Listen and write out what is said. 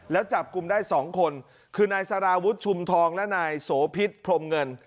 แล้วจับกลุ่มได้๒คนคือนายสารวุฒิชุมทองและนายโสพิษพรมเงิน